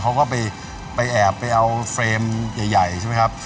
เขาก็ไปแอบไปเอาเฟรมใหญ่ใช่ไหมครับ